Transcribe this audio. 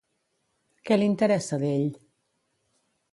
Què li interessa d'ell?